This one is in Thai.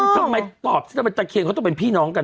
ทำไมตอบซะเป็นตะเคียนเขาต้องเป็นพี่น้องกัน